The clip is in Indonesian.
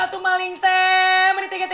aduh maling teh